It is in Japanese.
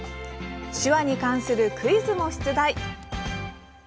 手話に関するクイズも出題。